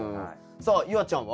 さあ夕空ちゃんは？